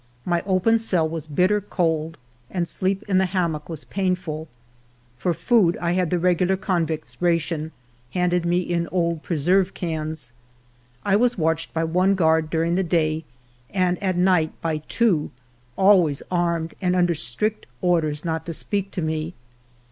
My open cell was bitter cold, and sleep in the hammock v/as painful. For food, I had the regular convict's ration handed me in old preserve cans. I was watched by one guard during the day and at night by two, always armed and under strict orders not to speak to me.